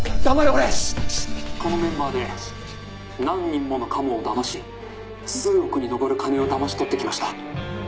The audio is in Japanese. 「このメンバーで何人ものカモをだまし数億に上る金をだまし取ってきました」